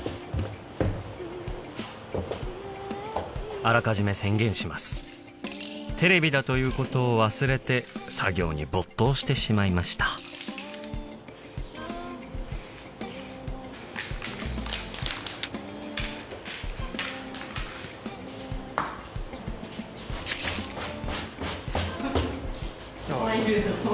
あらかじめ宣言しますテレビだということを忘れて作業に没頭してしまいましたワイルド。